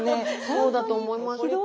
そうだと思います。